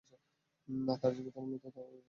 তারা জীবিত না মৃত তাও আমরা জানি না।